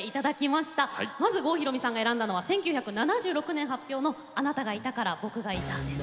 まず郷ひろみさんが選んだのは１９７６年発表の「あなたがいたから僕がいた」です。